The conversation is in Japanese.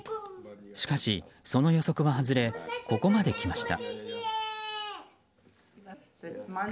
しかし、その予測は外れここまで来ました。